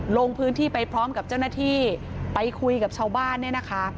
ลงพื้นที่ไปพร้อมกับเจ้าหน้าที่ไปคุยกับชาวบ้านเนี่ยนะคะ